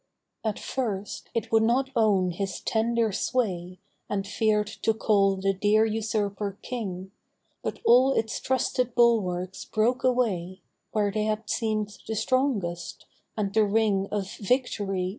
At first it would not own his tender sway And feared to call the dear usurper king, But all its trusted bulwarks broke away, Where they had seem'd the strongest, and the ring Of "Victory